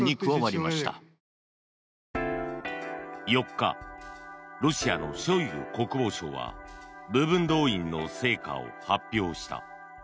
４日ロシアのショイグ国防相は部分動員の成果を発表した。